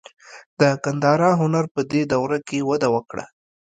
د ګندهارا هنر په دې دوره کې وده وکړه.